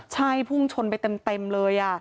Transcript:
ใช่พุ่งชนไปเต็มเลย